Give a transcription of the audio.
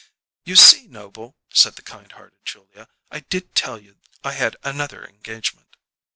"You see, Noble," said the kind hearted Julia, "I did tell you I had another engagement."